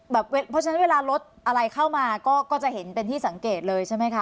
เพราะฉะนั้นเวลารถอะไรเข้ามาก็จะเห็นเป็นที่สังเกตเลยใช่ไหมคะ